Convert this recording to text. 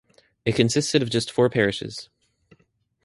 It consisted of just four parishes.